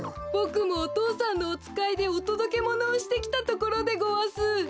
ボクもお父さんのおつかいでおとどけものをしてきたところでごわす。